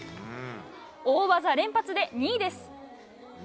大技連発で２位です。